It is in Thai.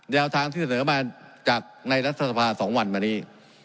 ได้เอาทางพิษเสนอมาจากนัยรัฐศภาษณ์สองวันมานี้